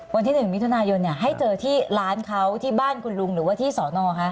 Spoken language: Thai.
วันที่๑มิถุนายนให้เจอที่ร้านเขาที่บ้านคุณลุงหรือว่าที่สอนอคะ